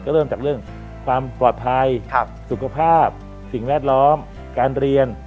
เริ่มจากเรื่องความปลอดภัยสุขภาพสิ่งแวดล้อมการเรียน